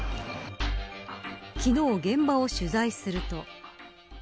昨日、現場を取材すると。